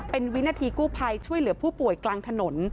เป็นวินาทีกู้ภัยช่วยเหลือผู้ป่วยกลางถนน